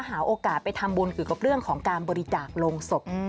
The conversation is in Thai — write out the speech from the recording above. หาโอกาสไปทำบุญเกี่ยวกับเรื่องของการบริจาคโรงศพ